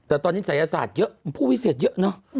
แต่ตอนนี้ศัยศาสตร์เยอะผู้วิเศษเยอะเนอะ